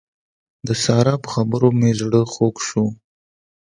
د سارا په خبرو مې زړه خوږ شو.